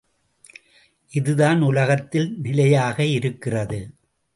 எதுதான் உலகத்தில் நிலையாக இருக்கிறது?